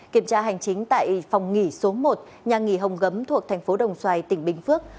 kiểm tra hành chính tại phòng nghỉ số một nhà nghỉ hồng gấm thuộc thành phố đồng xoài tỉnh bình phước